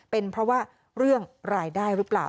เป็นเพราะว่าเรื่องรายได้หรือเปล่า